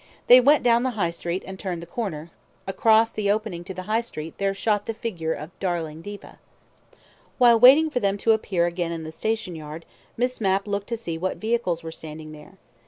They went down the street and turned the corner. ... Across the opening to the High Street there shot the figure of darling Diva. While waiting for them to appear again in the station yard, Miss Mapp looked to see what vehicles were standing there.